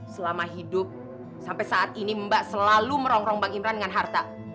selama hidup sampai saat ini mbak selalu merongrong bang imran dengan harta